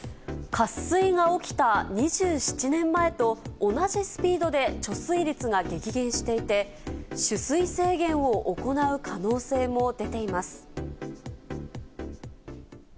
渇水が起きた２７年前と同じスピードで貯水率が激減していて、取水制限を行う可能性も出ています。